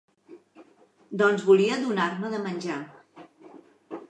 Doncs volia donar-me de menjar.